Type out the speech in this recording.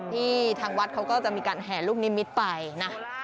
ที่ทางวัดเขาก็จะมีการแห่ลูกนิมิตรไปนะ